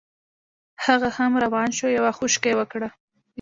هغه هم روان شو یوه خوشکه یې وکړه.